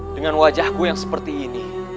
dengan wajahku yang seperti ini